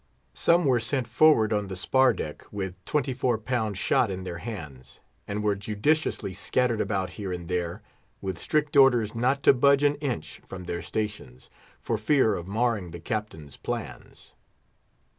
Some were sent forward on the spar deck, with twenty four pound shot in their hands, and were judiciously scattered about here and there, with strict orders not to budge an inch from their stations, for fear of marring the Captain's plans.